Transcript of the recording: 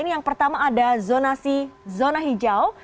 yang pertama ada zonasi zona hijau